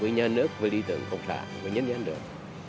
với nhà nước với lý tưởng cộng sản với nhân dân được